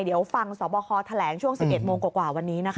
เดี๋ยวฟังสอบคอแถลงช่วง๑๑โมงกว่าวันนี้นะคะ